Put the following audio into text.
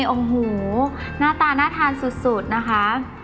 โอ้โหหน้าตาน่าทานสุดนะคะ